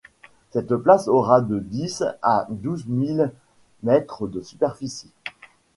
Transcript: Cette place aura de dix a douze mille mètres de superficie.